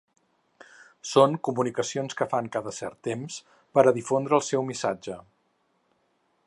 Són comunicacions que fan cada cert temps per a difondre el seu missatge.